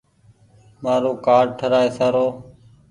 مآرو ڪآرڊ ٺرآئي سارو۔